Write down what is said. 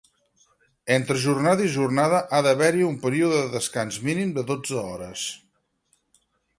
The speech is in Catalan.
Entre jornada i jornada ha d'haver-hi un període de descans mínim de dotze hores.